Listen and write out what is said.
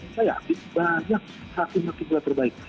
saya yakin banyak hakim hakim juga terbaik